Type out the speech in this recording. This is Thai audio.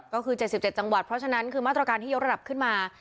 ก็คือ๗๗จังหวัดเพราะฉะนั้นคือมาตรการที่ยกระดับขึ้นมา